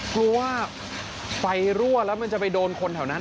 กลัวว่าไฟรั่วแล้วมันจะไปโดนคนแถวนั้น